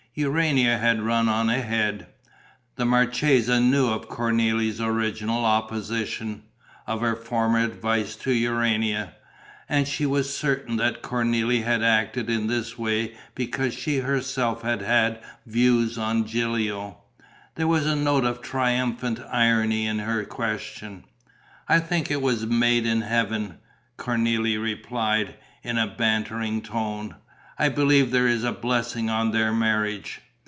Urania had run on ahead. The marchesa knew of Cornélie's original opposition, of her former advice to Urania; and she was certain that Cornélie had acted in this way because she herself had had views on Gilio. There was a note of triumphant irony in her question. "I think it was made in Heaven," Cornélie replied, in a bantering tone. "I believe there is a blessing on their marriage."